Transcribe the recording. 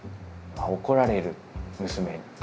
「あっ怒られる娘に」。